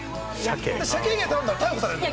鮭以外選んだら逮捕されるよ。